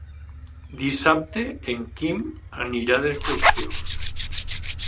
Dissabte en Quim anirà d'excursió.